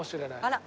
あら。